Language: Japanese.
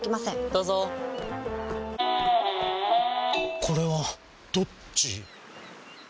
どうぞこれはどっち？